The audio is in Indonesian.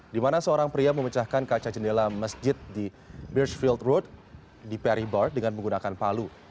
di mana seorang pria memecahkan kaca jendela masjid di birch field road di perry bar dengan menggunakan palu